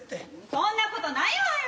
そんなことないわよ。